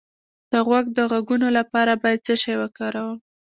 د غوږ د غږونو لپاره باید څه شی وکاروم؟